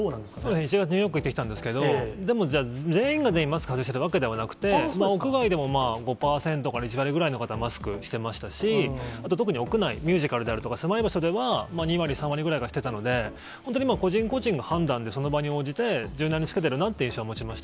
１月、ニューヨーク行ってきたんですけど、全員が全員、マスク外しているわけではなくて、屋外でもまあ、５％から１割ぐらいの方、マスクしてましたし、あと特に屋内、ミュージカルであるとか、狭い場所では２割、３割ぐらいがしてたので、本当に個人個人の判断で、その場に応じて柔軟に着けてるなっていう印象は持ちました。